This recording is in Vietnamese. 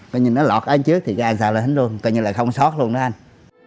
coi như nó lọt ở trước thì cái vàng xào lại hít luôn coi như là không sót luôn đó anh